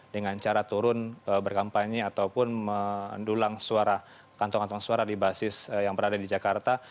dengan cara turun berkampanye ataupun mendulang suara kantong kantong suara di basis yang berada di jakarta